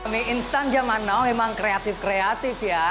mie instan zaman now memang kreatif kreatif ya